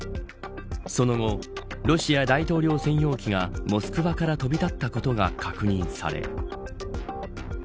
その後、ロシア大統領専用機がモスクワから飛び立ったことが確認され